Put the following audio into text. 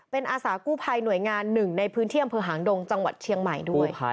เป็นอาสากู้ภัยหน่วยงานหนึ่งในพื้นที่อำเภอหางดงจังหวัดเชียงใหม่ด้วย